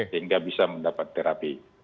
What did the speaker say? sehingga bisa mendapat terapi